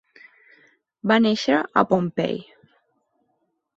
Va néixer a Pohnpei.